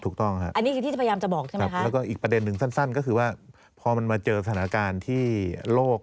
ถูกต้องครับแล้วก็อีกประเด็นหนึ่งสั้นก็คือว่าพอมันมาเจอสถานการณ์ที่โลก